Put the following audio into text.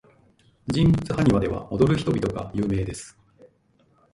人物埴輪では、踊る人々が有名です。